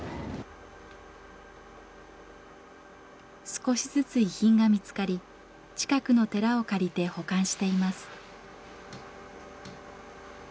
少しずつ遺品が見つかり近くの寺を借りて保管しています。